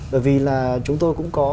bởi vì là chúng tôi cũng có